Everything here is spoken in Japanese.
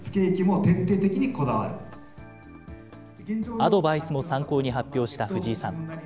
アドバイスも参考に発表した藤井さん。